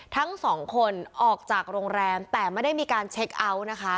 ทั้งสองคนออกจากโรงแรมแต่ไม่ได้มีการเช็คเอาท์นะคะ